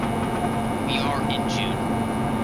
We are in June.